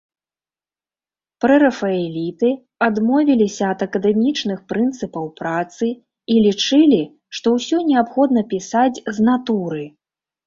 Прэрафаэліты адмовіліся ад акадэмічных прынцыпаў працы і лічылі, што ўсё неабходна пісаць з натуры.